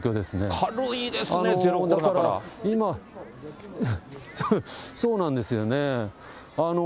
軽いですね、今、そうなんですよね。